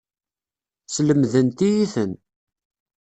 Slemdent-iyi-ten.